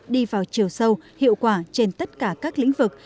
đi vào chiều sâu hiệu quả trên tất cả các lĩnh vực